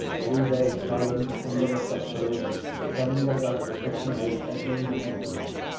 Three days’ silence in the refectory and sending us up for six and eight every minute.